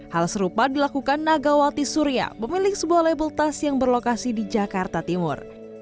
hal serupa dilakukan nagawati surya pemilik sebuah label tas yang berlokasi di jakarta timur